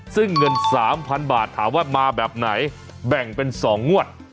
ซึ่งเงิน๓๐๐๐บาทถามว่ามาแบบไหนแบ่งเป็น๒งวด